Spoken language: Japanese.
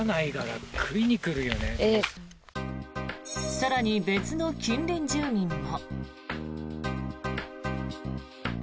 更に、別の近隣住民も。